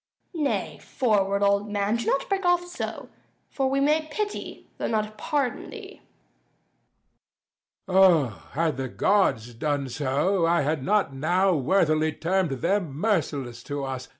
_ Nay, forward, old man; do not break off so; For we may pity, though not pardon thee. Æge. O, had the gods done so, I had not now Worthily term'd them merciless to us!